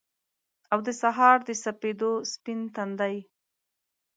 او دسهار دسپیدو ، سپین تندی